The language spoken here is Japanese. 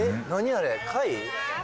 あれ貝？